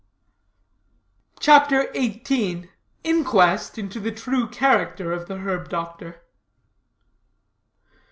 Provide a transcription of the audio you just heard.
CHAPTER XVIII. INQUEST INTO THE TRUE CHARACTER OF THE HERB DOCTOR.